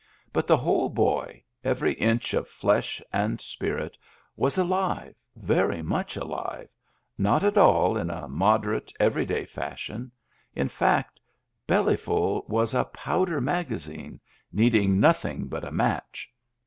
But the whole boy — every inch of flesh and spirit — was alive, very much alive, not at all in a moderate, everyday fashion ; in fact, Bellyful was a powder magazine, needing nothing but a match.